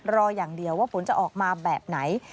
รออย่างเดียวว่าผลจะออกมาแบบไหน